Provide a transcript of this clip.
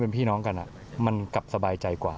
เป็นพี่น้องกันมันกลับสบายใจกว่า